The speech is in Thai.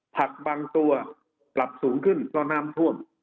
ผักบางตัวปรับสูงขึ้นเพราะน้ำท่วม